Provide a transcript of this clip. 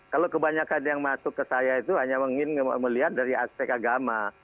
kalau kebanyakan yang masuk ke saya itu hanya melihat dari aspek agama